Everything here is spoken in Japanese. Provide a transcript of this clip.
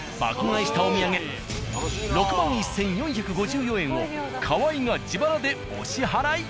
買いしたお土産６万１、４５４円を河合が自腹でお支払い。